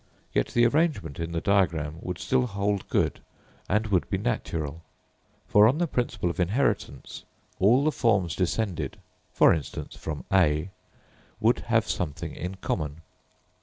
Yet the arrangement in the diagram would still hold good and would be natural; for, on the principle of inheritance, all the forms descended, for instance from A, would have something in common.